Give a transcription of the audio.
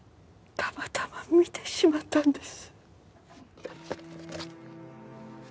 たまたま見てしまったんです。